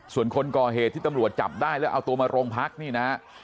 ส่วนคนก่อเหตุที่ตำรวจจับได้แล้วเอาตัวมาโรงพักนี่นะฮะ